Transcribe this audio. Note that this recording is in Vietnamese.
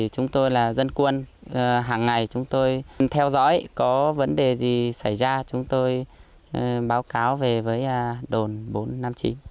chúng tôi là dân quân hàng ngày chúng tôi theo dõi có vấn đề gì xảy ra chúng tôi báo cáo về với đồn bốn trăm năm mươi chín